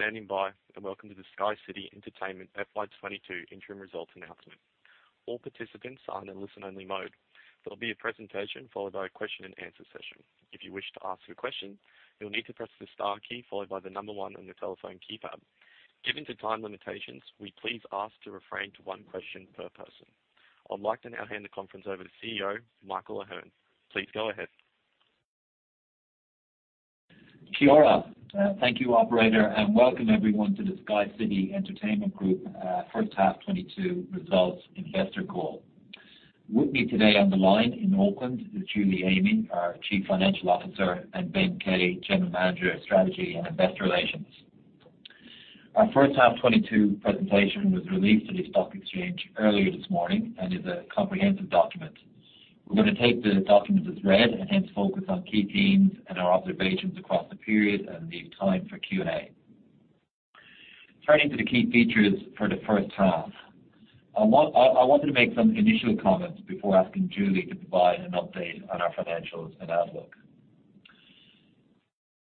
Thank you for standing by, and welcome to the SkyCity Entertainment FY 2022 interim results announcement. All participants are in a listen-only mode. There will be a presentation followed by a question-and-answer session. If you wish to ask a question, you'll need to press the star key followed by the number one on your telephone keypad. Given the time limitations, we please ask you to limit to one question per person. I'd like to now hand the conference over to CEO Michael Ahearne. Please go ahead. Kia ora. Thank you, operator, and welcome everyone to the SkyCity Entertainment Group first half 2022 results investor call. With me today on the line in Auckland is Julie Amey, our Chief Financial Officer, and Ben Kay, General Manager of Strategy and Investor Relations. Our first half 2022 presentation was released to the stock exchange earlier this morning and is a comprehensive document. We're gonna take the document as read and hence focus on key themes and our observations across the period and leave time for Q&A. Turning to the key features for the first half. I wanted to make some initial comments before asking Julie to provide an update on our financials and outlook.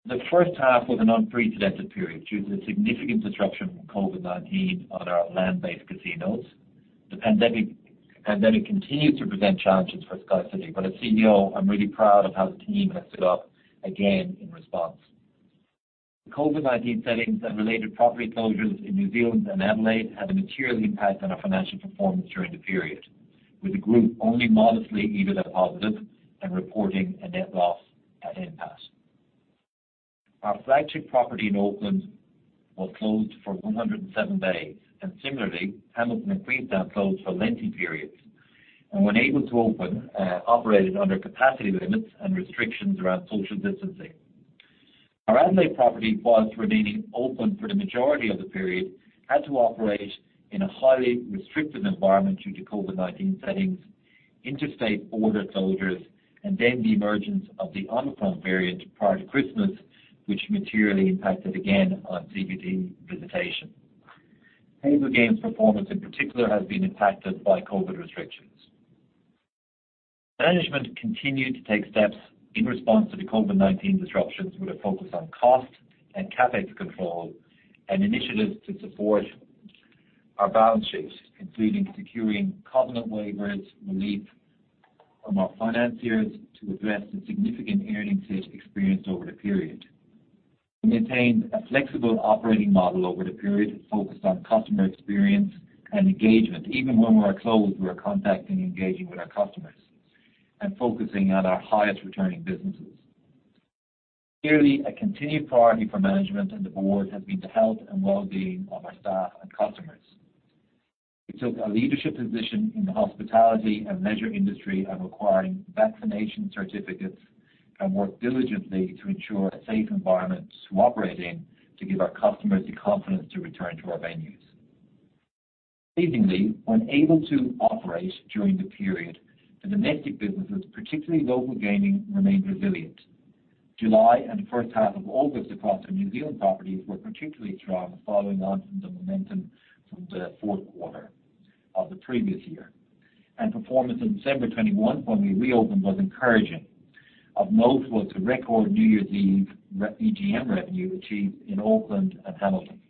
The first half was an unprecedented period due to the significant disruption from COVID-19 on our land-based casinos. The pandemic continued to present challenges for SkyCity, but as CEO, I'm really proud of how the team has stood up again in response. The COVID-19 settings and related property closures in New Zealand and Adelaide had a material impact on our financial performance during the period, with the group only modestly EBITDA positive and reporting a net loss at NPAT. Our flagship property in Auckland was closed for 107 days, and similarly, Hamilton and Queenstown closed for lengthy periods. When able to open, operated under capacity limits and restrictions around social distancing. Our Adelaide property, while remaining open for the majority of the period, had to operate in a highly restrictive environment due to COVID-19 settings, interstate border closure, and then the emergence of the Omicron variant prior to Christmas, which materially impacted again on CBD visitation. Table games performance in particular has been impacted by COVID restrictions. Management continued to take steps in response to the COVID-19 disruptions with a focus on cost and CapEx control and initiatives to support our balance sheets, including securing covenant waivers, relief from our financiers to address the significant earnings hit experienced over the period. We maintained a flexible operating model over the period focused on customer experience and engagement. Even when we were closed, We were contacting and engaging with our customers and focusing on our highest returning businesses. Clearly, a continued priority for management and the board has been the health and well-being of our staff and customers. We took a leadership position in the hospitality and leisure industry of requiring vaccination certificates and worked diligently to ensure a safe environment to operate in to give our customers the confidence to return to our venues. Amazingly, when able to operate during the period, the domestic businesses, particularly local gaming, remained resilient. July and the first half of August across the New Zealand properties were particularly strong following on from the momentum from the fourth quarter of the previous year. Performance in December 2021 when we reopened was encouraging. Of note was the record New Year's Eve EGM revenue achieved in Auckland and Hamilton.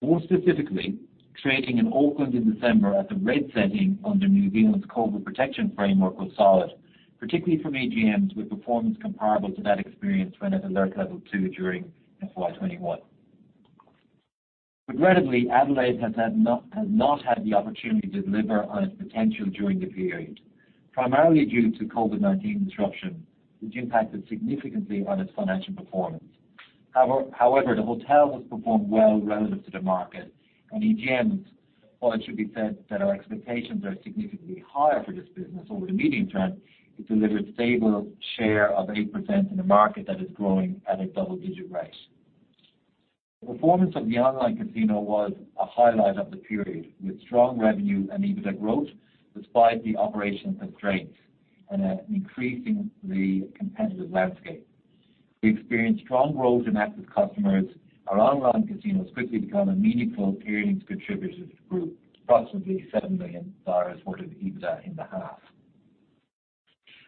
More specifically, trading in Auckland in December at the red setting under New Zealand's COVID-19 Protection Framework was solid, particularly from EGMs, with performance comparable to that experienced when at alert level two during FY 2021. Regrettably, Adelaide has not had the opportunity to deliver on its potential during the period, primarily due to COVID-19 disruption, which impacted significantly on its financial performance. However, the hotel has performed well relative to the market and EGMs, while it should be said that our expectations are significantly higher for this business over the medium term, It delivered stable share of 8% in a market that is growing at a double-digit rate. The performance of the online casino was a highlight of the period, with strong revenue and EBITDA growth despite the operational constraints and an increasingly competitive landscape. We experienced strong growth in active customers. Our online casino has quickly become a meaningful earnings contributor to the group, approximately 7 million dollars worth of EBITDA in the half.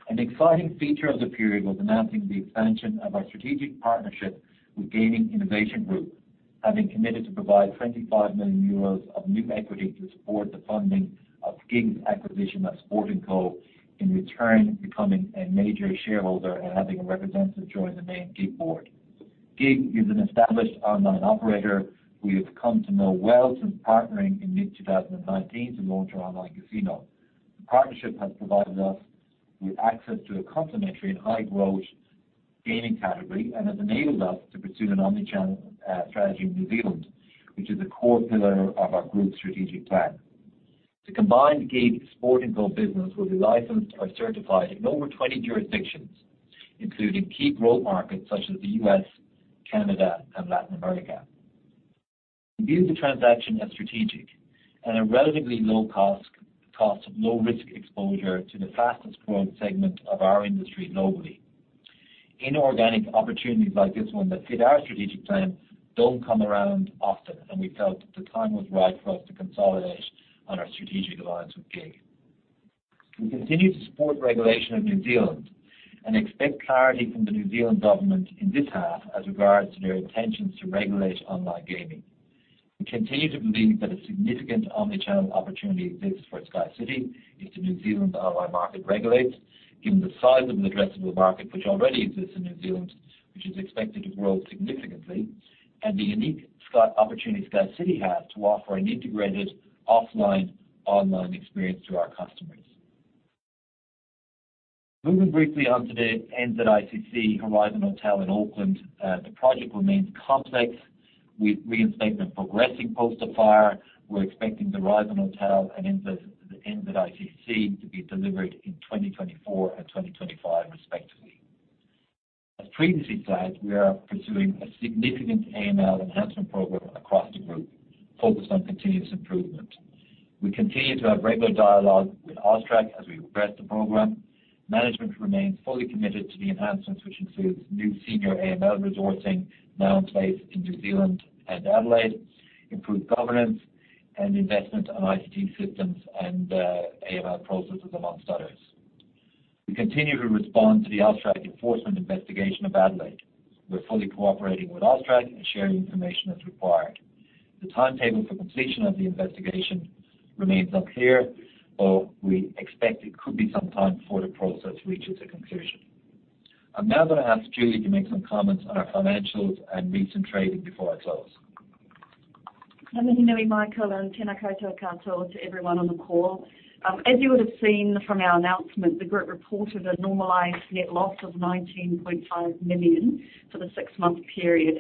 An exciting feature of the period was announcing the expansion of our strategic partnership with Gaming Innovation Group, having committed to provide 25 million euros of new equity to support the funding of GiG's acquisition of Sportnco, in return becoming a major shareholder and having a representative join the main GiG board. GiG is an established online operator we have come to know well since partnering in mid-2019 to launch our online casino. The partnership has provided us with access to a complementary and high-growth gaming category and has enabled us to pursue an omni-channel strategy in New Zealand, which is a core pillar of our group strategic plan. The combined GiG Sportnco business will be licensed or certified in over 20 jurisdictions, including key growth markets such as the U.S., Canada, and Latin America. We view the transaction as strategic and a relatively low-cost, low-risk exposure to the fastest-growing segment of our industry globally. Inorganic opportunities like this one that fit our strategic plan don't come around often, and we felt that the time was right for us to consolidate on our strategic alliance with GiG. We continue to support regulation of New Zealand and expect clarity from the New Zealand government in this half as regards to their intentions to regulate online gaming. We continue to believe that a significant omni-channel opportunity exists for SkyCity if the New Zealand online market regulates, given the size of an addressable market which already exists in New Zealand, which is expected to grow significantly, and the unique SkyCity opportunity SkyCity has to offer an integrated offline, online experience to our customers. Moving briefly on to the NZICC Horizon Hotel in Auckland, the project remains complex with reinstatement progressing post the fire. We're expecting the Horizon Hotel and the NZICC to be delivered in 2024 and 2025 respectively. As previously said, we are pursuing a significant AML enhancement program across the group focused on continuous improvement. We continue to have regular dialogue with AUSTRAC as we progress the program. Management remains fully committed to the enhancements, which includes new senior AML resourcing now in place in New Zealand and Adelaide, improved governance and investment on ICT systems and AML processes, among others. We continue to respond to the AUSTRAC enforcement investigation of Adelaide. We're fully cooperating with AUSTRAC and sharing information as required. The timetable for completion of the investigation remains unclear, but we expect it could be some time before the process reaches a conclusion. I'm now gonna ask Julie to make some comments on our financials and recent trading before I close. Michael, and to everyone on the call. As you would have seen from our announcement, the group reported a normalized net loss of 19.5 million for the six-month period.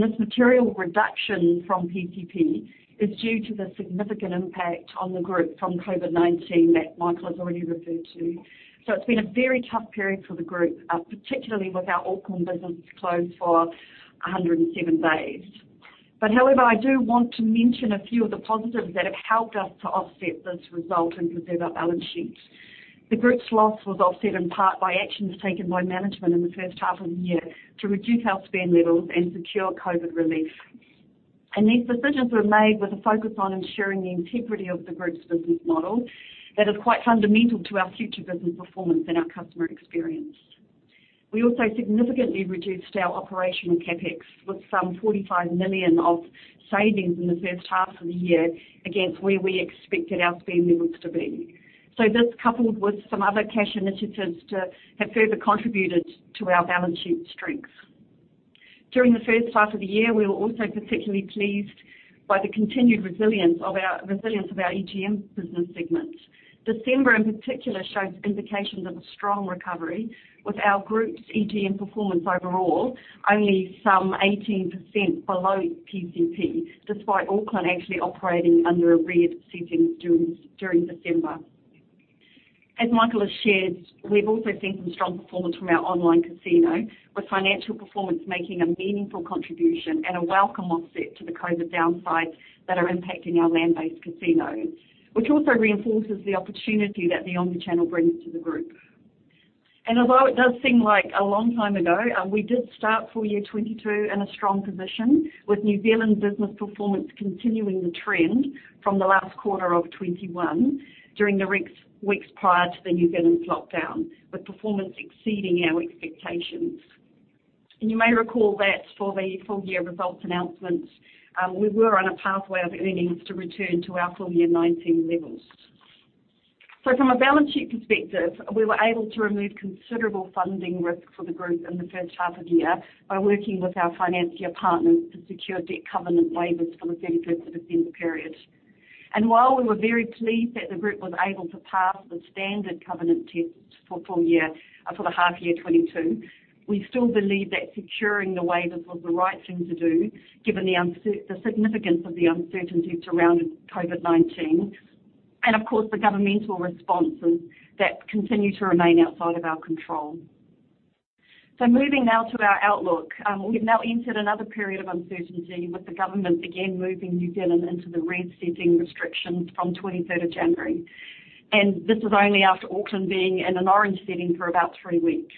This material reduction from PCP is due to the significant impact on the group from COVID-19 that Michael has already referred to. It's been a very tough period for the group, particularly with our Auckland business closed for 107 days. However, I do want to mention a few of the positives that have helped us to offset this result and preserve our balance sheet. The group's loss was offset in part by actions taken by management in the first half of the year to reduce our spend levels and secure COVID relief. These decisions were made with a focus on ensuring the integrity of the group's business model that is quite fundamental to our future business performance and our customer experience. We also significantly reduced our operational CapEx with some 45 million of savings in the first half of the year against where we expected our spend levels to be. This, coupled with some other cash initiatives to have further contributed to our balance sheet strength. During the first half of the year, we were also particularly pleased by the continued resilience of our EGM business segment. December, in particular, shows indications of a strong recovery with our group's EGM performance overall, only some 18% below PCP, despite Auckland actually operating under a red setting during December. As Michael has shared, we've also seen some strong performance from our online casino, with financial performance making a meaningful contribution and a welcome offset to the COVID downsides that are impacting our land-based casino, which also reinforces the opportunity that the omni-channel brings to the group. Although it does seem like a long time ago, we did start full year 2022 in a strong position, with New Zealand business performance continuing the trend from the last quarter of 2021 during the weeks prior to the New Zealand lockdown, with performance exceeding our expectations. You may recall that for the full year results announcements, Were on a pathway of earnings to return to our full year 2019 levels. From a balance sheet perspective, we we're able to remove considerable funding risk for the group in the first half of the year by working with our financier partners to secure debt covenant waivers for the 31st of December period. While we were very pleased that the group was able to pass the standard covenant tests for full year, for the half year 2022, we still believe that securing the waivers was the right thing to do, given the significance of the uncertainty surrounding COVID-19 and of course the governmental responses that continue to remain outside of our control. Moving now to our outlook. We've now entered another period of uncertainty with the government again moving New Zealand into the red setting restrictions from 23rd of January. This is only after Auckland being in an Orange setting for about 3 weeks.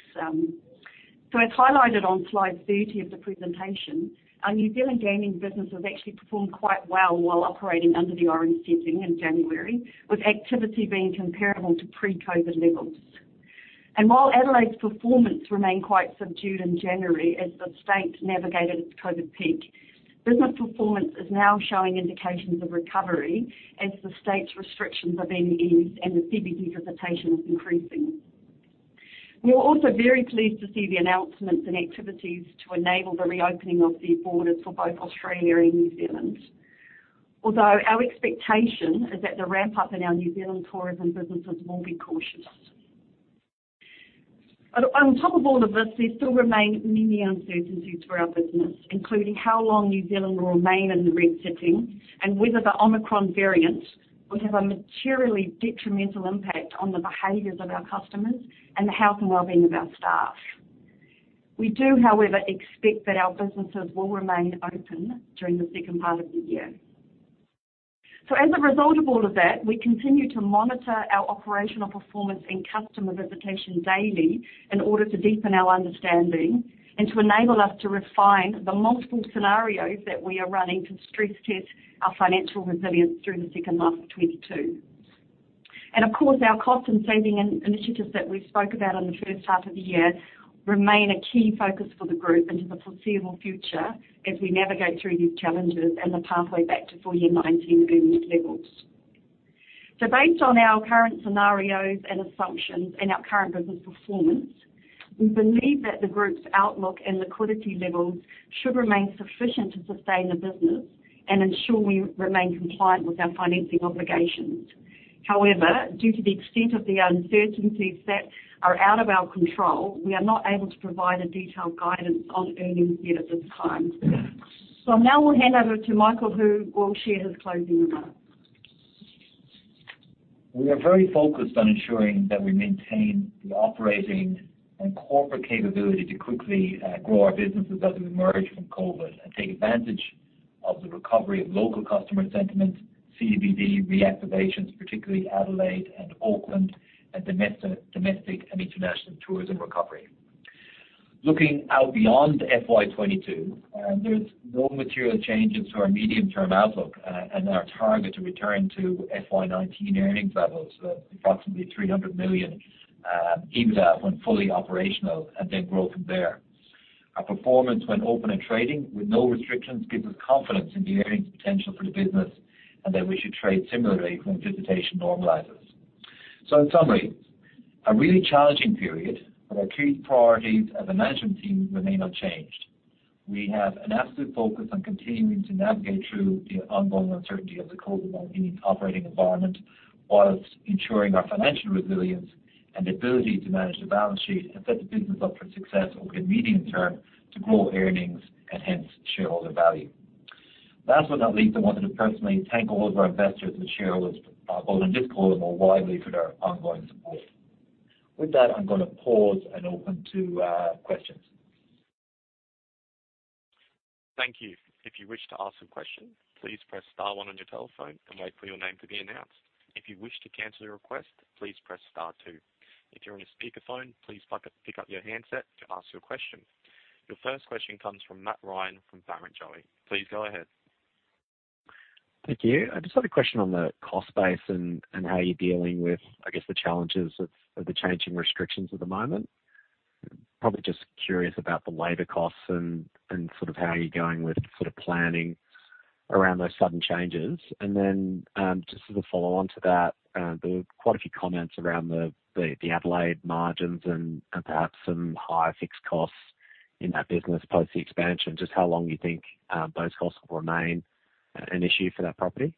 As highlighted on slide 30 of the presentation, our New Zealand gaming business has actually performed quite well while operating under the Orange setting in January, with activity being comparable to pre-COVID levels. While Adelaide's performance remained quite subdued in January as the state navigated its COVID peak, business performance is now showing indications of recovery as the state's restrictions are being eased and the CBD visitation is increasing. We were also very pleased to see the announcements and activities to enable the reopening of the borders for both Australia and New Zealand. Although our expectation is that the ramp up in our New Zealand tourism businesses will be cautious. On top of all of this, there still remain many uncertainties for our business, including how long New Zealand will remain in the red setting and whether the Omicron variant will have a materially detrimental impact on the behaviors of our customers and the health and well-being of our staff. We do, however, expect that our businesses will remain open during the second part of the year. As a result of all of that, We continue to monitor our operational performance and customer visitation daily in order to deepen our understanding and to enable us to refine the multiple scenarios that we are running to stress test our financial resilience through the second half of 2022. Of course, Our cost and saving initiatives that we spoke about in the first half of the year remain a key focus for the group into the foreseeable future as we navigate through these challenges and the pathway back to full year 2019 earnings levels. Based on our current scenarios and assumptions and our current business performance, we believe that the group's outlook and liquidity levels should remain sufficient to sustain the business and ensure we remain compliant with our financing obligations. However, due to the extent of the uncertainties that are out of our control, we are not able to provide a detailed guidance on earnings yet at this time. Now we'll hand over to Michael, who will share his closing remarks. We are very focused on ensuring that we maintain the operating and corporate capability to quickly grow our business as we emerge from COVID and take advantage of the recovery of local customer sentiment, CBD reactivation, particularly Adelaide and Auckland, and domestic and international tourism recovery. Looking out beyond FY 2022, there's no material changes to our medium-term outlook and our target to return to FY 2019 earnings levels of approximately 300 million EBITDA when fully operational and then grow from there. Our performance when open and trading with no restrictions gives us confidence in the earnings potential for the business and that we should trade similarly when visitation normalizes. In summary, a really challenging period, but our key priorities as a management team remain unchanged. We have an absolute focus on continuing to navigate through the ongoing uncertainty of the COVID-19 operating environment while ensuring our financial resilience and ability to manage the balance sheet and set the business up for success over the medium term to grow earnings and hence shareholder value. Last but not least, I wanted to personally thank all of our investors and shareholders, both on this call and more widely, for their ongoing support. With that, I'm going to pause and open to questions. Thank you. If you wish to ask a question, please press star one on your telephone and wait for your name to be announced. If you wish to cancel your request, please press star two. If you're on a speakerphone, please pick up your handset to ask your question. Your first question comes from Matt Ryan from Barrenjoey. Please go ahead. Thank you. I just had a question on the cost base and how you're dealing with, I guess, the challenges of the changing restrictions at the moment. Probably just curious about the labor costs and sort of how you're going with sort of planning around those sudden changes. just as a follow-on to that, there were quite a few comments around the Adelaide margins and perhaps some higher fixed costs in that business as opposed to the expansion. Just how long you think those costs will remain an issue for that property?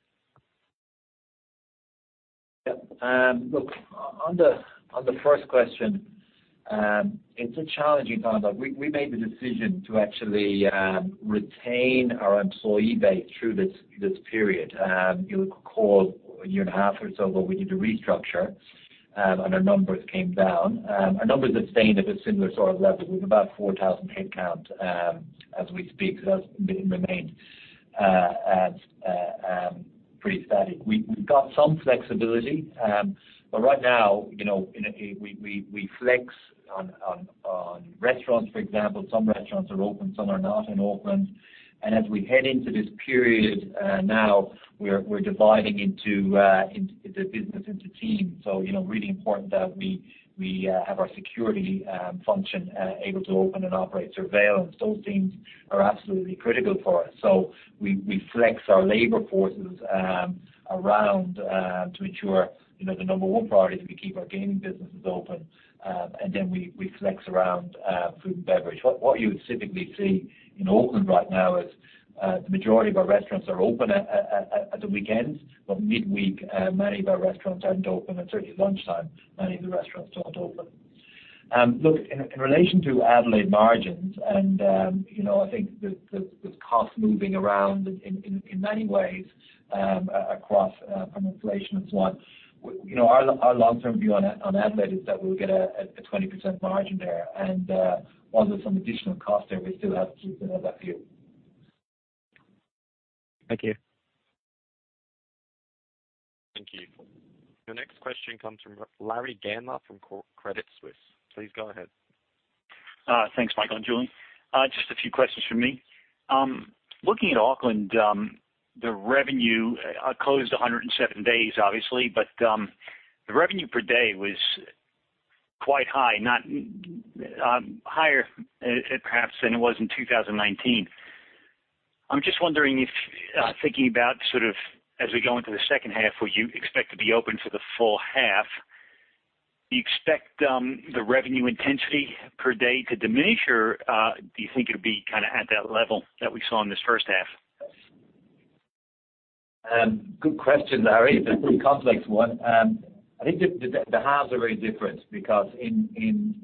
On the first question, it's a challenging time, but we made the decision to actually retain our employee base through this period. You'll recall a year and a half or so ago, we did a restructure, and our numbers came down. Our numbers have stayed at a similar sort of level. We have about 4,000 headcount as we speak. So that's remained pretty static. We've got some flexibility. But right now we flex on restaurants, for example. Some restaurants are open, some are not in Auckland. As we head into this period, now we're dividing the business into teams. Really important that we have our security function able to open and operate surveillance. Those teams are absolutely critical for us. We flex our labor forces around to ensure, you know, the number one priority is we keep our gaming businesses open, and then we flex around food and beverage. You would typically see in Auckland right now is the majority of our restaurants are open at the weekends, but midweek many of our restaurants aren't open, and certainly lunchtime many of the restaurants aren't open. Iin relation to Adelaide margins and the cost moving around in many ways across from inflation is one. Our long-term view on Adelaide is that we'll get a 20% margin there. While there's some additional cost there, we still have to keep to that view. Thank you. Thank you. Your next question comes from Larry Gandler from Credit Suisse. Please go ahead. Thanks, Michael and Julie. Just a few questions from me. Looking at Auckland, the revenue closed 107 days, obviously, but the revenue per day was quite high, not higher perhaps than it was in 2019. I'm just wondering if, thinking about sort of as we go into the second half, will you expect to be open for the full half. Do you expect the revenue intensity per day to diminish, or do you think it'll be kind of at that level that we saw in this first half? Good question, Larry. It's a pretty complex one. The halves are very different because in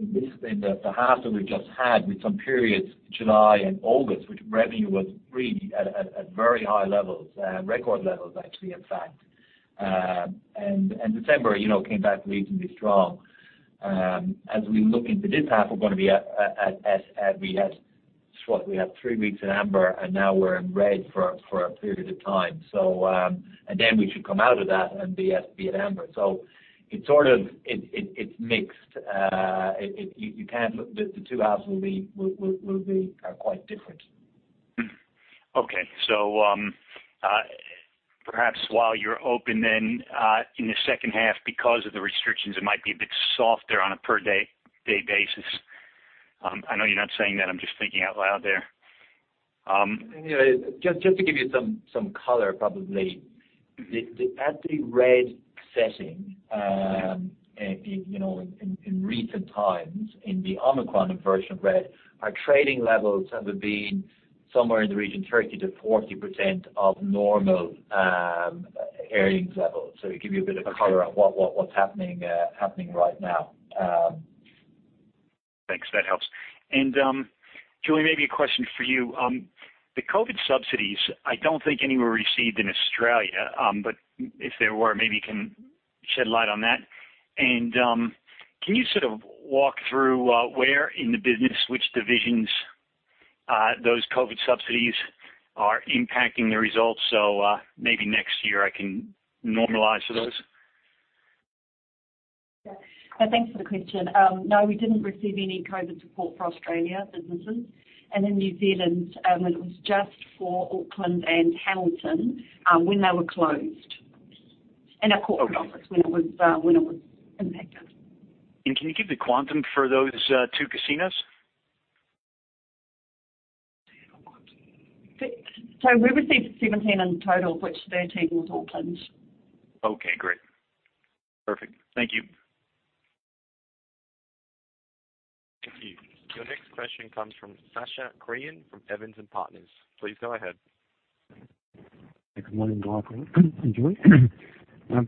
this half that we've just had with some periods, July and August, where revenue was really at very high levels, record levels actually, in fact. December came back reasonably strong. As we look into this half, we had three weeks in Orange, and now we're in Red for a period of time. Then we should come out of that and be at Orange. It's sort of mixed. You can't look. The two halves will be quite different. Perhaps while you're open then, in the second half because of the restrictions, it might be a bit softer on a per day basis. I know you're not saying that. I'm just thinking out loud there. Just to give you some color, probably. The actually red setting, In recent times in the Omicron version of red, our trading levels have been somewhere in the region 30%-40% of normal earnings levels. To give you a bit of a color on what's happening right now. Thanks, that helps. Julie, maybe a question for you. The COVID subsidies, I don't think any were received in Australia, but if there were, maybe you can shed light on that. Can you sort of walk through where in the business which divisions those COVID subsidies are impacting the results, maybe next year I can normalize for those? Thanks for the question. No, we didn't receive any COVID support for Australian businesses. In New Zealand, it was just for Auckland and Hamilton, when they were closed. Our corporate- Okay. office, when it was impacted. Can you give the quantum for those two casinos? We received 17 in total, which 13 was Auckland. Okay, great. Perfect. Thank you. Thank you. Your next question comes from Sacha Krien from Evans & Partners. Please go ahead. Good morning, Michael and Julie.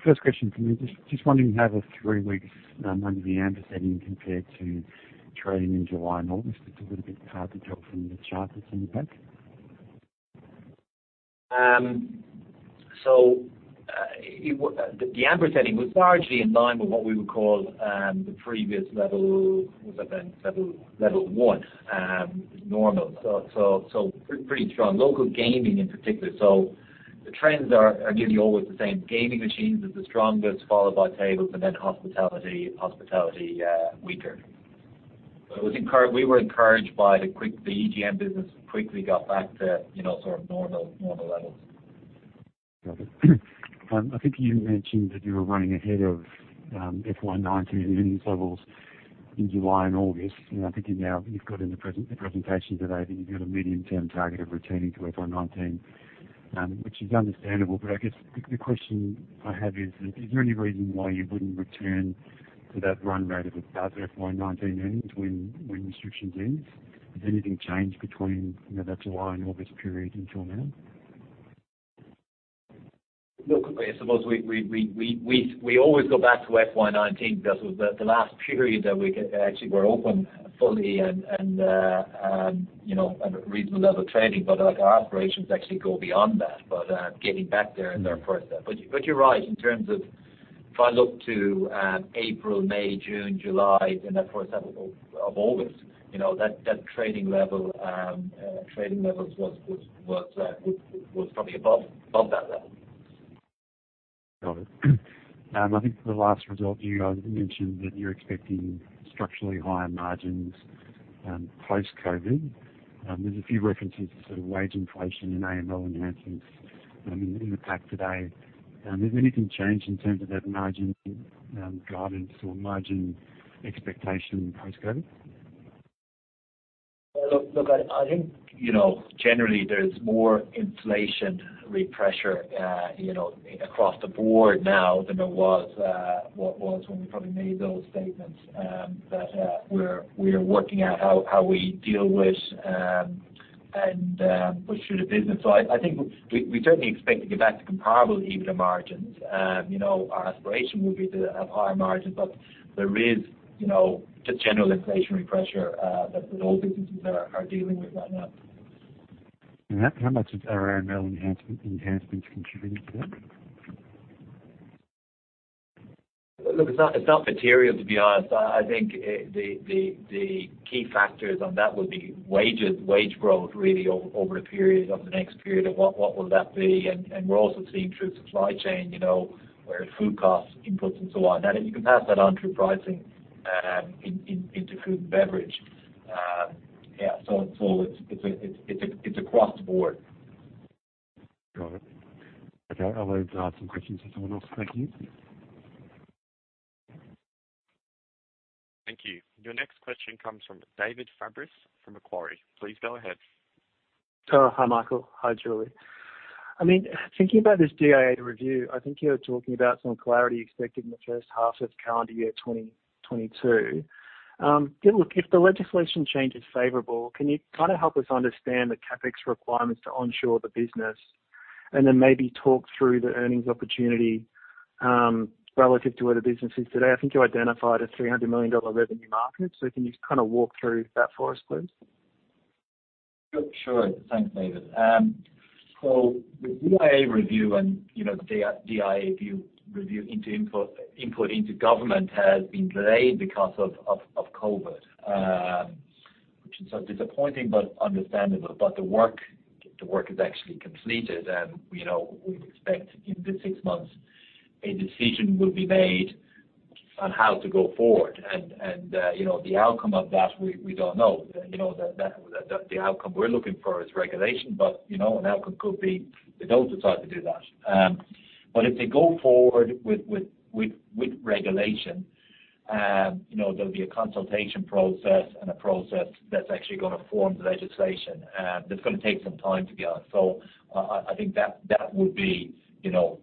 First question for you. Just wondering how the three weeks under the orange setting compared to trading in July and August. It's a little bit hard to tell from the chart that's in the pack. The orange setting was largely in line with what we would call the previous level. That was level one, normal. Pretty strong local gaming in particular. The trends are usually always the same. Gaming machines is the strongest, followed by tables and then hospitality, weaker. We were encouraged by the EGM business quickly got back to sort of normal levels. Got it. I think you mentioned that you were running ahead of FY 2019 in earnings levels in July and August. Now you've got in the presentation today that you've got a medium-term target of returning to FY 2019, which is understandable, but I guess the question I have is there any reason why you wouldn't return to that run rate of about FY 2019 earnings when restriction ends? Has anything changed between that July and August period until now? I suppose we always go back to FY 2019 because it was the last period that we actually were open fully and you know, a reasonable level of trading. Like, our aspirations actually go beyond that. Getting back there is our first step. You're right, in terms of if I look to April, May, June, July, and the first half of August that trading levels was probably above that level. The last result you mentioned that you're expecting structurally higher margins post-COVID. There's a few references to sort of wage inflation and AML enhancements in the pack today. Has anything changed in terms of that margin guidance or margin expectation post-COVID? Generally there's more inflationary pressure, Across the board now than there was when we probably made those statements. We're working out how we deal with and push through the business. We certainly expect to get back to comparable EBITDA margins. Our aspiration will be to have higher margins, but there is just general inflationary pressure that all businesses are dealing with right now. How much is around AML enhancements contributing to that? Look, it's not material, to be honest. The key factors on that would be wages, wage growth really over a period of the next period of what will that be. We're also seeing through supply chain, Where food costs, inputs and so on. Now, you can pass that onto pricing into food and beverage. It's across the board. Got it. Okay. I'll leave it to someone else to ask some questions. Thank you. Thank you. Your next question comes from David Fabris from Macquarie. Please go ahead. Hi, Michael. Hi, Julie. Thinking about this DIA review, You're talking about some clarity expected in the first half of calendar year 2022. Look, if the legislation change is favorable, can you kind of help us understand the CapEx requirements to onshore the business? And then maybe talk through the earnings opportunity, relative to where the business is today. You identified a 300 million dollar revenue market. Can you just kind of walk through that for us, please? Sure. Thanks, David. So the DIA review and the DIA review into input into government has been delayed because of COVID. Which is disappointing but understandable. The work is actually completed and we'd expect within six months a decision will be made on how to go forward. the outcome of that, we don't know. The outcome we're looking for is regulation but an outcome could be they don't decide to do that. But if they go forward with regulation, there'll be a consultation process and a process that's actually gonna form the legislation, and that's gonna take some time to be honest. That would be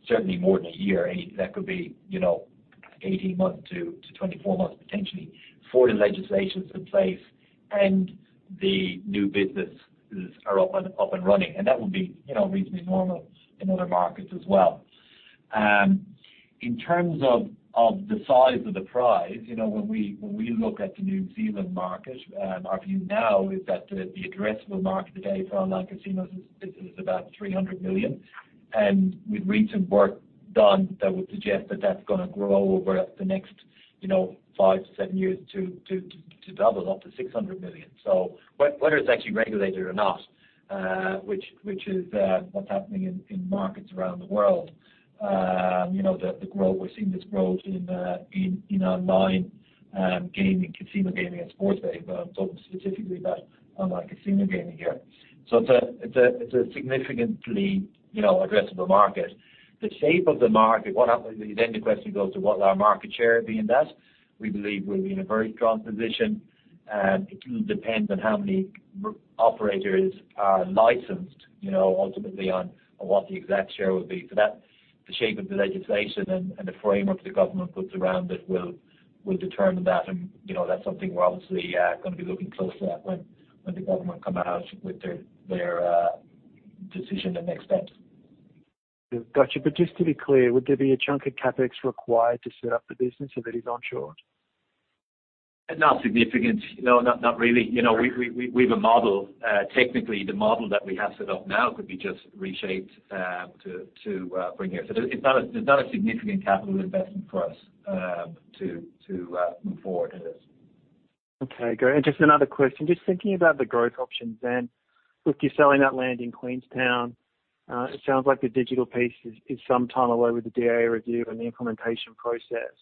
certainly more than a year. That could be 18-24 months, potentially, for the legislation in place and the new businesses are up and running. That would be, you know, reasonably normal in other markets as well. In terms of the size of the prize when we look at the New Zealand market, our view now is that the addressable market today for online casinos is about 300 million. With recent work done, that would suggest that that's gonna grow over the next 5-7 years to double up to 600 million. Whether it's actually regulated or not, which is what's happening in markets around the world. We're seeing this growth in online gaming, casino gaming, and sports betting, but I'm talking specifically about online casino gaming here. It's a significantly, addressable market. The shape of the market, then the question goes to what will our market share be in that? We believe we'll be in a very strong position. It will depend on how many operators are licensed, ultimately on what the exact share will be. That's the shape of the legislation and the framework the government puts around it will determine that's something we're obviously gonna be looking closely at when the government come out with their decision in the next steps. Got you. Just to be clear, would there be a chunk of CapEx required to set up the business so that it's onshore? Not significant. No, not really. we have a model. Technically, the model that we have set up now could be just reshaped to bring here. It's not a significant capital investment for us to move forward in this. Okay, great. Just another question. Just thinking about the growth options, and look, you're selling that land in Queenstown. It sounds like the digital piece is some time away with the DA review and the implementation process.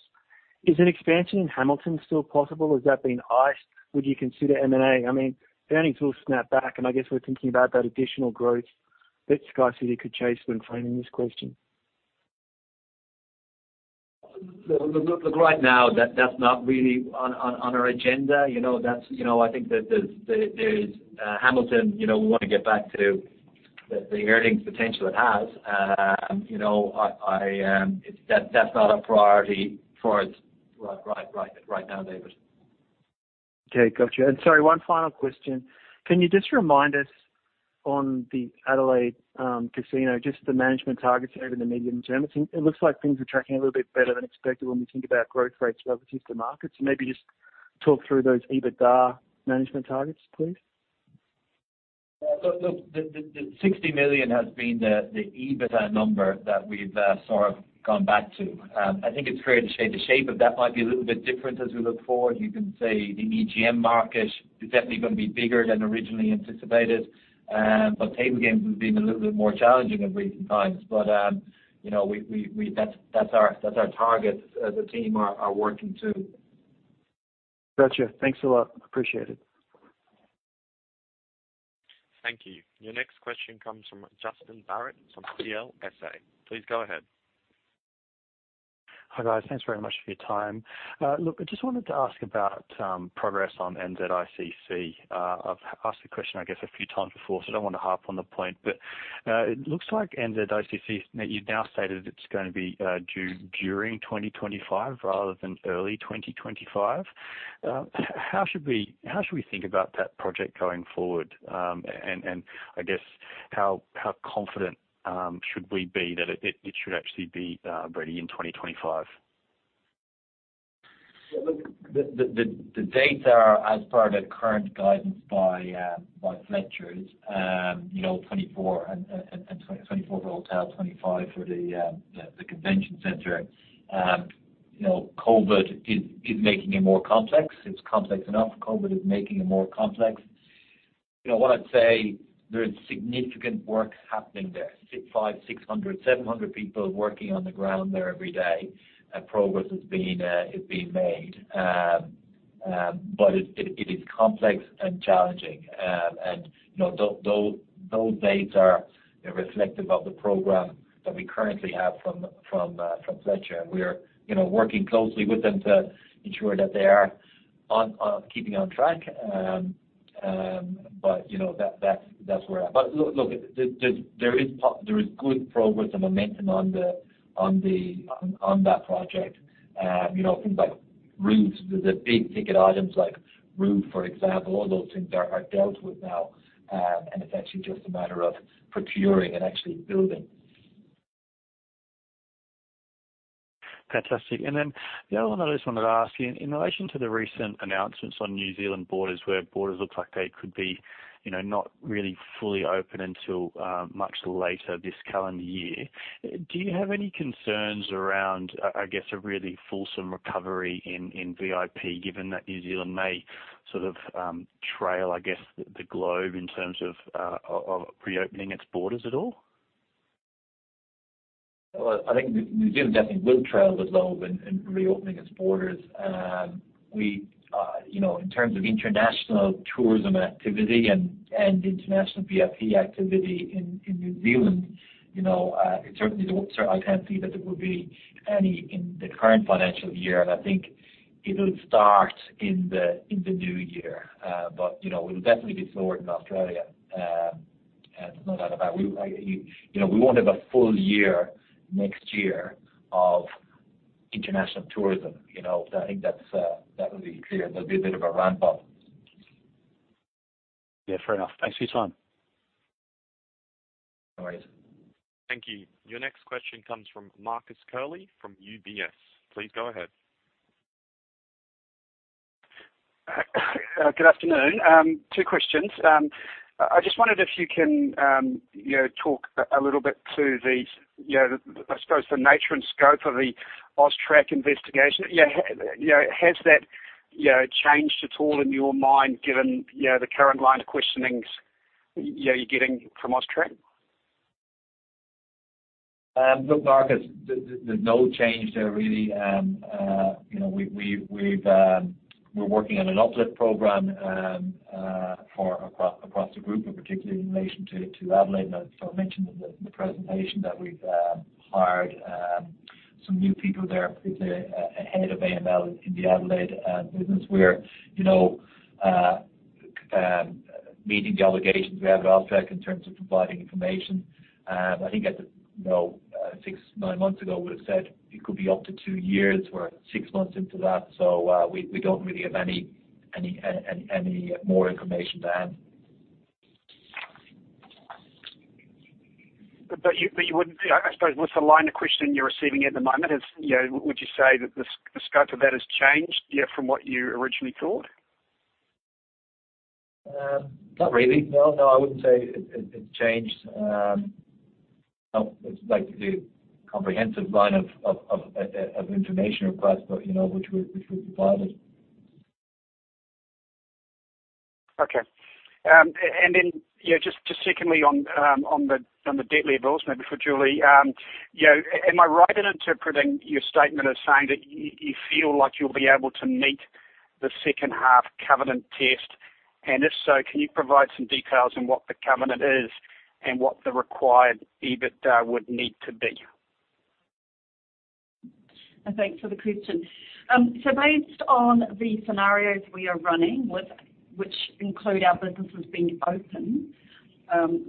Is an expansion in Hamilton still possible or has that been iced? Would you consider M&A? Earnings will snap back, and I guess we're thinking about that additional growth that SkyCity could chase when framing this question. Look, right now that's not really on our agenda. That's. there's Hamilton, We wanna get back to the earnings potential it has. That's not a priority for us right now, David. Okay. Gotcha. Sorry, one final question. Can you just remind us on the Adelaide casino, just the management targets over the medium term? It looks like things are tracking a little bit better than expected when we think about growth rates relative to markets. Maybe just talk through those EBITDA management targets, please. Look, the 60 million has been the EBITDA number that we've sort of gone back to. It's fair to say the shape of that might be a little bit different as we look forward. You can say the EGM market is definitely gonna be bigger than originally anticipated. table games has been a little bit more challenging in recent times. that's our target, as a team are working to. Gotcha. Thanks a lot. Appreciate it. Thank you. Your next question comes from Justin Barratt from CLSA. Please go ahead. Hi, guys. Thanks very much for your time. Look, I just wanted to ask about progress on NZICC. I've asked the question, I guess a few times before, so I don't wanna harp on the point. But it looks like NZICC, you've now stated it's gonna be due during 2025 rather than early 2025. How should we think about that project going forward? I guess how confident should we be that it should actually be ready in 2025? Look, the dates are as per the current guidance by Fletcher, you know, 2024 and 2024 for hotel, 2025 for the convention center. You know, COVID is making it more complex. It's complex enough. COVID is making it more complex. What I'd say, there's significant work happening there. 650-700 people working on the ground there every day, and progress is being made. But it is complex and challenging. Those dates are reflective of the program that we currently have from Fletcher. We are working closely with them to ensure that they are keeping on track. But you know, that's where. Look, there is good progress and momentum on that project. things like roofs. The big-ticket items like roof, for example, all those things are dealt with now, and it's actually just a matter of procuring and actually building. Fantastic. Then the other one I just wanted to ask you, in relation to the recent announcements on New Zealand borders, where borders looks like they could be not really fully open until much later this calendar year, do you have any concerns around, I guess, a really fulsome recovery in VIP, given that New Zealand may sort of trail, I guess, the globe in terms of reopening its borders at all? Well, New Zealand definitely will trail with Labour in reopening its borders. In terms of international tourism activity and international VIP activity in New Zealand, it certainly won't. I can't see that there will be any in the current financial year, and it'll start in the new year. It'll definitely be slower in Australia. there's no doubt about it. we won't have a full year next year of international tourism, That will be clear. There'll be a bit of a ramp up. Fair enough. Thanks for your time. No worries. Thank you. Your next question comes from Marcus Curley from UBS. Please go ahead. Good afternoon. Two questions. I just wondered if you can talk a little bit to the I suppose, the nature and scope of the AUSTRAC investigation. Has that changed at all in your mind given the current line of questioning you are receiving from AUSTRAC? Look, Marcus, there's no change there, really. we're working on an uplift program for across the group and particularly in relation to Adelaide. As I mentioned in the presentation that we've hired some new people there, including a head of AML in the Adelaide business. We're you know meeting the obligations we have at AUSTRAC in terms of providing information. As you probably know, about six to nine months ago, we've said it could be up to two years. We're six months into that, so we don't really have any more information than You wouldn't, I suppose with the line of questioning you're receiving at the moment is, you know, would you say that the scope of that has changed, from what you originally thought? Not really. No, I wouldn't say it's changed. No. It's like the comprehensive line of information request, but which we're providing. Okay. And then just secondly on the debt levels, maybe for Julie. Am I right in interpreting your statement as saying that you feel like you'll be able to meet the second half covenant test? If so, can you provide some details on what the covenant is and what the required EBITDA would need to be? Thanks for the question. Based on the scenarios we are running with, which include our businesses being open,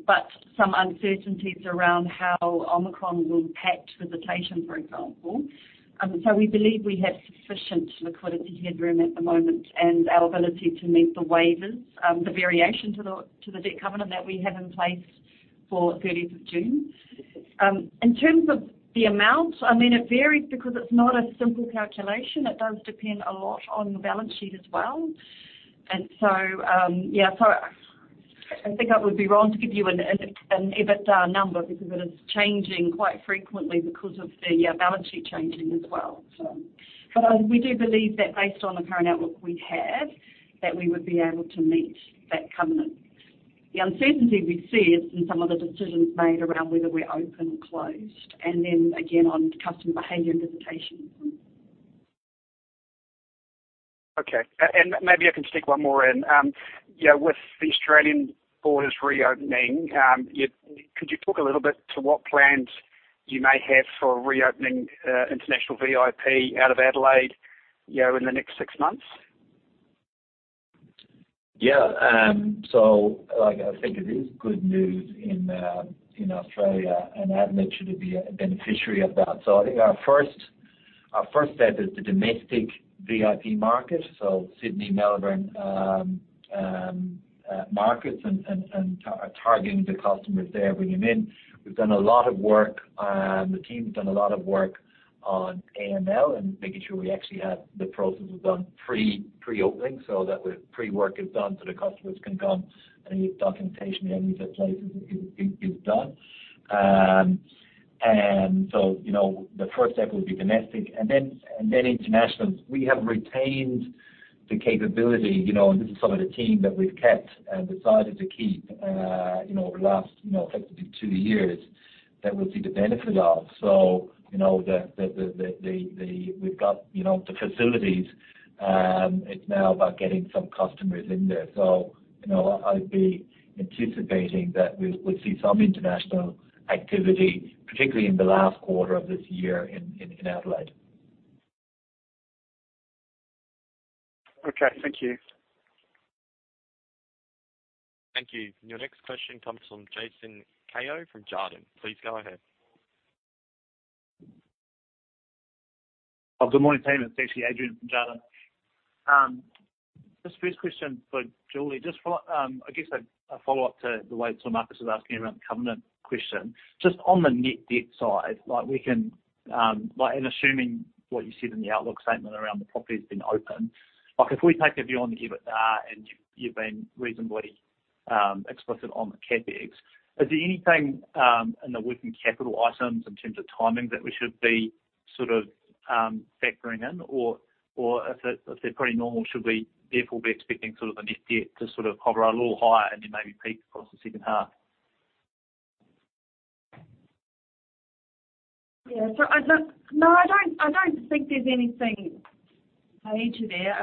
but some uncertainties around how Omicron will impact visitation, for example. We believe we have sufficient liquidity headroom at the moment and our ability to meet the waivers, the variation to the debt covenant that we have in place for 30th of June. In terms of the amount, It varies because it's not a simple calculation. It does depend a lot on the balance sheet as well. So I would be wrong to give you an EBITDA number because it is changing quite frequently because of the balance sheet changing as well. We do believe that based on the current outlook we have, that we would be able to meet that covenant. The uncertainty we see is in some of the decisions made around whether we're open or closed, and then again on customer behavior and visitation. Okay. Maybe I can stick one more in with the Australian borders reopening, could you talk a little bit about what plans you may have for reopening international VIP out of Adelaide, in the next six months? It is good news in Australia, and Adelaide should be a beneficiary of that. I think our first step is the domestic VIP market, so Sydney, Melbourne, markets and targeting the customers there, bringing in. We've done a lot of work. The team's done a lot of work on AML and making sure we actually have the processes done pre-opening, so that the pre-work is done, so the customers can come. Any documentation they need in place is done. The first step will be domestic and then international. We have retained the capability, you know, and this is some of the team that we've kept and decided to keep over the last effectively two years that we'll see the benefit of. So, you know, we've got the facilities. It's now about getting some customers in there. I'd be anticipating that we'll see some international activity, particularly in the last quarter of this year in Adelaide. Okay. Thank you. Thank you. Your next question comes from Jason Walbridge from Jarden. Please go ahead. Oh, good morning, team. It's actually Adrian from Jarden. Just first question for Julie. Just a follow-up to the way Marcus was asking around the covenant question. Just on the net debt side, like we can, like, and assuming what you said in the outlook statement around the property has been open. Like if we take a view on the EBITDA and you've been reasonably explicit on the CapEx. Is there anything in the working capital items in terms of timing that we should be sort of factoring in or if they're pretty normal should we therefore be expecting sort of the net debt to sort of hover a little higher and then maybe peak across the second half? No, I don't think there's anything major there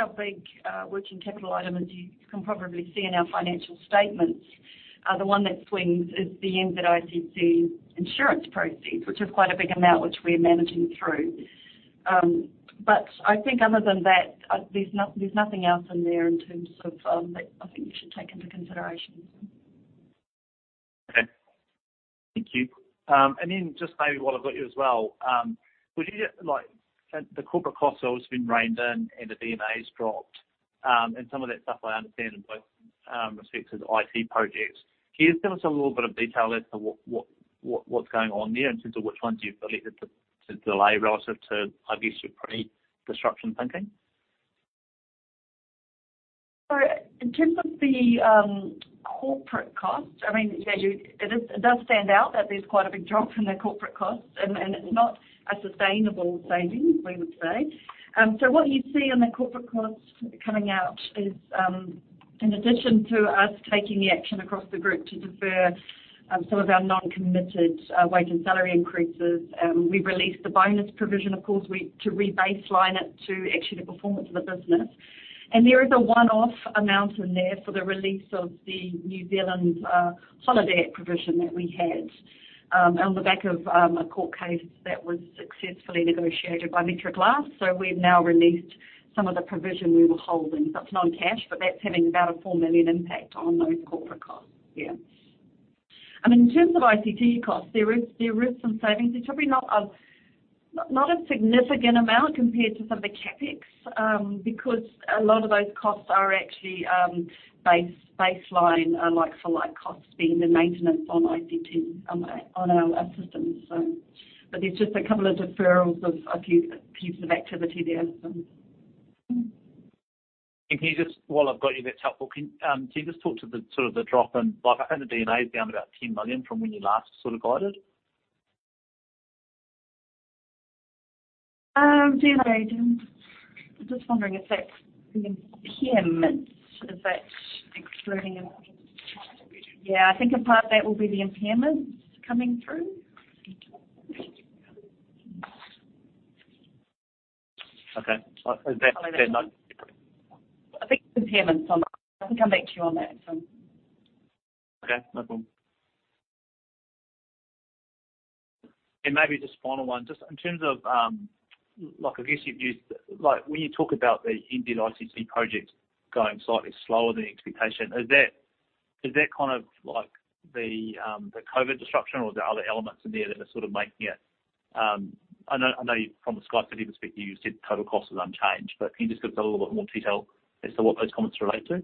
our big working capital item, as you can probably see in our financial statements, the one that swings is the NZICC insurance proceeds, which is quite a big amount which we're managing through. Other than that, there's nothing else in there in terms of that you should take into consideration. Okay. Thank you. Just maybe while I've got you as well, the corporate costs have also been reined in and the D&A's dropped, and some of that stuff I understand in both respect to the IT projects. Can you just give us a little bit of detail as to what's going on there in terms of which ones you've elected to delay relative to, I guess, your pre-disruption thinking? In terms of the corporate costs, it does stand out that there's quite a big drop from their corporate costs and it's not a sustainable saving, we would say. What you see in the corporate costs coming out is, in addition to us taking the action across the group to defer some of our non-committed wage and salary increases, we released the bonus provision, of course, to rebaseline it to actually the performance of the business. There is a one-off amount in there for the release of the New Zealand holiday provision that we had on the back of a court case that was successfully negotiated by Metro Glass. We've now released some of the provision we were holding. That's non-cash, but that's having about a 4 million impact on those corporate costs. In terms of ICT costs, there is some savings. It's probably not a significant amount compared to some of the CapEx, because a lot of those costs are actually baseline, like for like costs being the maintenance on ICT on our systems. But there's just a couple of deferrals of a few pieces of activity there. While I've got you, that's helpful. Can you just talk to the sort of drop in the D&A is down about 10 million from when you last sort of guided. D&A, I'm just wondering if that's the impairments. Is that excluding it? A part of that will be the impairments coming through. Okay. Is that not- It's impairments on. I can come back to you on that. Okay, no problem. Maybe just final one, just in terms of I guess you've used, like, when you talk about the NZICC project going slightly slower than expectation, is that kind of like the COVID disruption or is there other elements in there that are sort of making it? From a SkyCity perspective, you said total cost is unchanged, but can you just give us a little bit more detail as to what those comments relate to?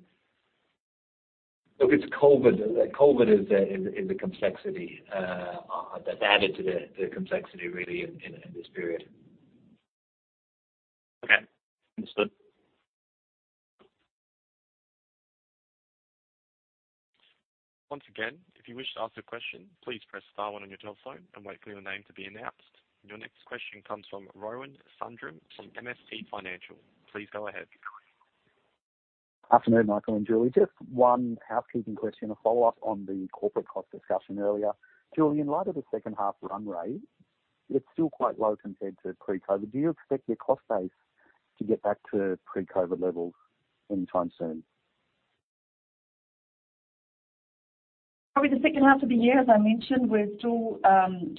Look, it's COVID. COVID is the complexity that's added to the complexity really in this period. Okay. Understood. Once again, if you wish to ask a question, please press star one on your telephone and wait for your name to be announced. Your next question comes from Rohan Sundram from MST Financial. Please go ahead. Afternoon, Michael and Julie. Just one housekeeping question, a follow-up on the corporate cost discussion earlier. Julie, in light of the second half run rate, it's still quite low compared to pre-COVID. Do you expect your cost base to get back to pre-COVID levels anytime soon? Over the second half of the year, as I mentioned, we're still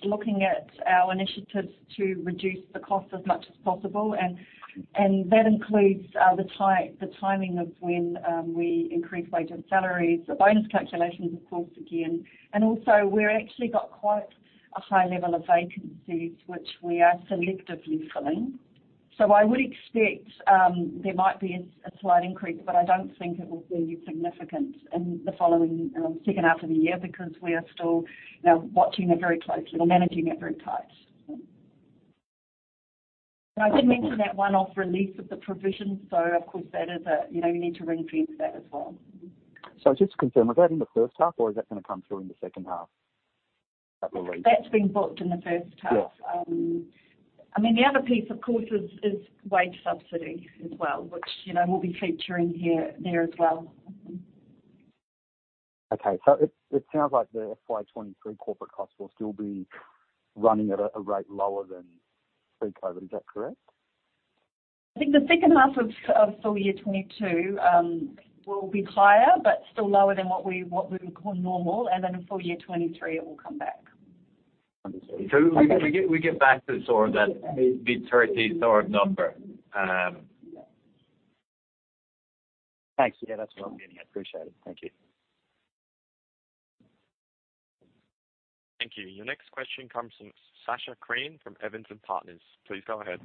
looking at our initiatives to reduce the cost as much as possible. That includes the timing of when we increase wages, salaries, the bonus calculations, of course, again. Also we're actually got quite a high level of vacancies, which we are selectively filling. I would expect there might be a slight increase, but I don't think it will be significant in the following second half of the year because we are still watching it very closely. We're managing it very tight. I did mention that one-off release of the provision, So, of course, that is something you need to ring-fence as well. Just to confirm, is that in the first half or is that gonna come through in the second half? That release. That's been booked in the first half. Yeah. The other piece, of course, is wage subsidy as well, which will be featuring here, there as well. Okay. It sounds like the FY 2023 corporate costs will still be running at a rate lower than pre-COVID. Is that correct? The second half of full year 2022 will be higher, but still lower than what we would call normal. In full year 2023, it will come back. Understood. We get back to sort of that mid-30s sort of number. Thanks. that's what I'm getting. I appreciate it. Thank you. Thank you. Your next question comes from Sacha Krien from Evans & Partners. Please go ahead.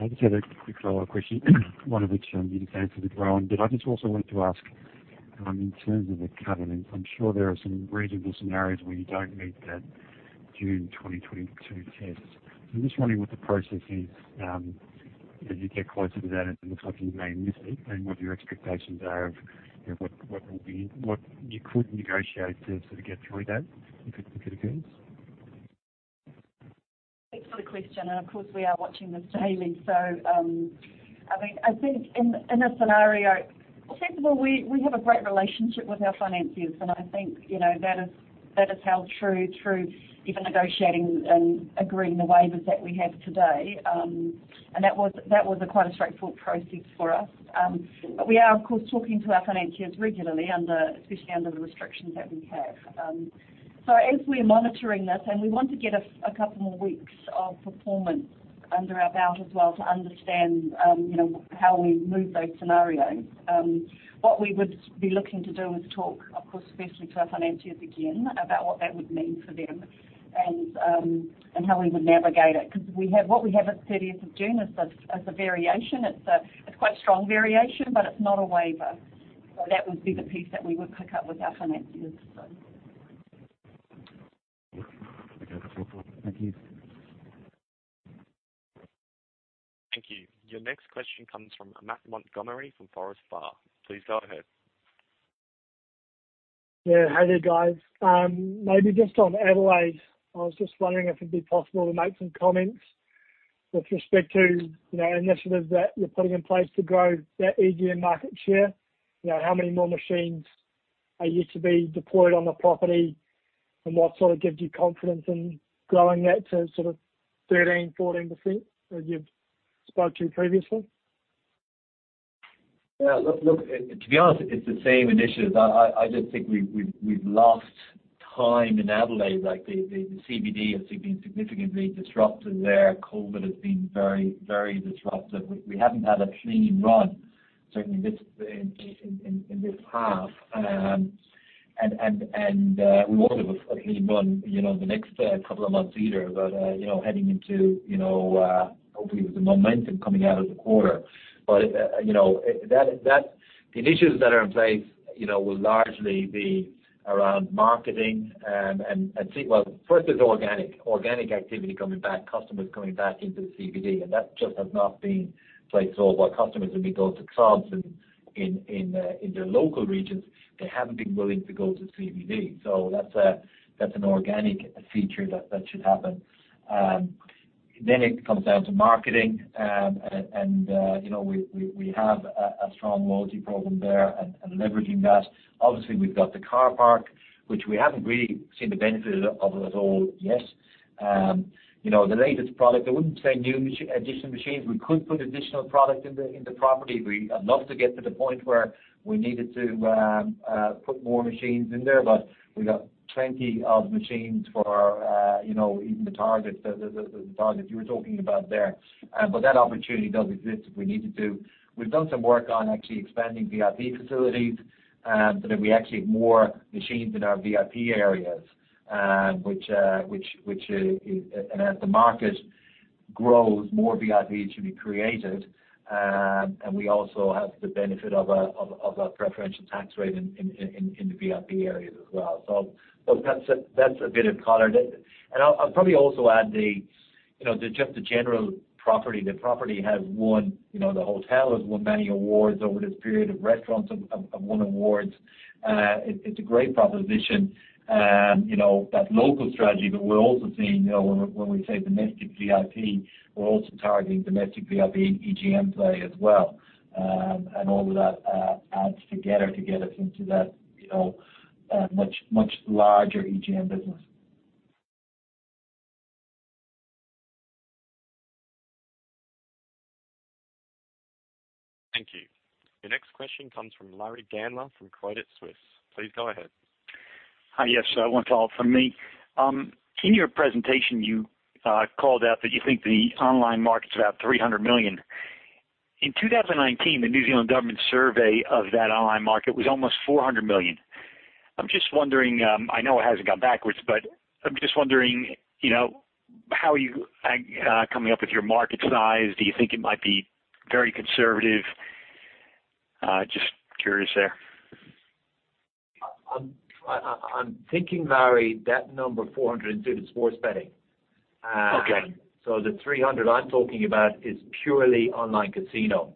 I just had a quick follow-up question, one of which you answered with Rohan, but I just also wanted to ask, in terms of the covenant, I'm sure there are some reasonable scenarios where you don't meet that June 2022 tests. I'm just wondering what the process is? As you get closer to that, it looks like you may miss it. What are your expectations of what you could negotiate to sort of get through that if it occurs. Thanks for the question. Of course, we are watching this daily. In a scenario, well, first of all, we have a great relationship with our financiers, and that is held true through even negotiating and agreeing the waivers that we have today. That was quite a straightforward process for us. We are, of course, talking to our financiers regularly, especially under the restrictions that we have. As we're monitoring this, and we want to get a couple more weeks of performance under our belt as well to understand, how we move those scenarios. What we would be looking to do is talk, of course, especially to our financiers again, about what that would mean for them and how we would navigate it. 'Cause we have what we have at 30th of June is a variation. It's quite a strong variation, but it's not a waiver. That would be the piece that we would pick up with our financiers. Okay. That's helpful. Thank you. Thank you. Your next question comes from Matt Montgomerie from Forsyth Barr. Please go ahead. How are you, guys? Maybe just on Adelaide. I was just wondering if it'd be possible to make some comments with respect to initiatives that you're putting in place to grow that EGM market share. How many more machines are yet to be deployed on the property? And what sort of gives you confidence in growing that to sort of 13%-14% as you've spoke to previously? Look, to be honest, it's the same initiatives. I just think we've lost time in Adelaide. Like, the CBD has been significantly disrupted there. COVID-19 has been very disruptive. We haven't had a clean run, certainly in this half. We won't have a clean run, you know, the next couple of months either. heading into hopefully with the momentum coming out of the quarter. The initiatives that are in place, will largely be around marketing, and see. Well, first there's organic activity coming back, customers coming back into the CBD, and that just has not been played. While customers will be going to clubs in the local regions, they haven't been willing to go to the CBD. That's an organic feature that should happen. It comes down to marketing, and we have a strong loyalty program there and leveraging that. Obviously, we've got the car park, which we haven't really seen the benefit of it at all yet. The latest product, I wouldn't say additional machines. We could put additional product in the property. We'd love to get to the point where we needed to put more machines in there, but we got plenty of machines for even the targets you were talking about there. That opportunity does exist if we need to do. We've done some work on actually expanding VIP facilities, so that we actually have more machines in our VIP areas, and as the market grows, more VIP should be created. We also have the benefit of a preferential tax rate in the VIP areas as well. That's a bit of color. I'll probably also add just the general property. The property has won you know, the hotel has won many awards over this period. Restaurants have won awards. It's a great proposition. That local strategy that we're also seeing, you know, when we say domestic VIP, we're also targeting domestic VIP EGM play as well. All of that adds together to get us into that much larger EGM business. Thank you. Your next question comes from Larry Gandler from Credit Suisse. Please go ahead. Hi. Yes, one follow-up from me. In your presentation, you called out that you think the online market's about 300 million. In 2019, the New Zealand government survey of that online market was almost 400 million. I'm just wondering. I know it hasn't gone backwards, but I'm just wondering how you coming up with your market size. Do you think it might be very conservative? Just curious there. I'm thinking, Larry, that number 400 includes sports betting. Okay. The 300 I'm talking about is purely online casino.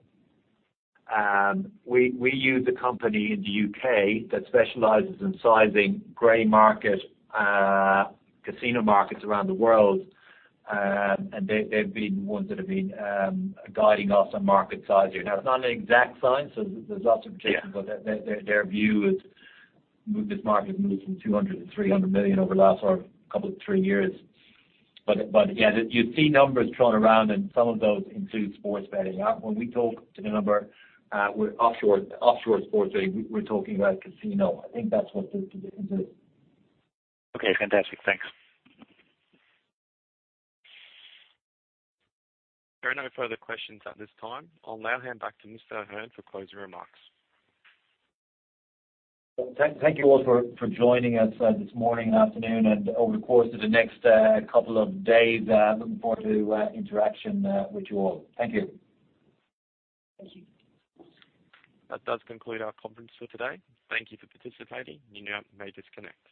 We use a company in the U.K. that specializes in sizing gray market casino markets around the world. They've been ones that have been guiding us on market size here. Now, it's not an exact science, so there's lots of projections. Yeah. Their view is this market moved from 200 million-300 million over the last couple or three years. You see numbers thrown around, and some of those include sports betting. When we talk about the number with offshore sports betting, we're talking about casino. I think that's what the difference is. Okay. Fantastic. Thanks. There are no further questions at this time. I'll now hand back to Michael Ahearne for closing remarks. Thank you all for joining us this morning and afternoon and over the course of the next couple of days. Looking forward to interaction with you all. Thank you. Thank you. That does conclude our conference for today. Thank you for participating. You now may disconnect.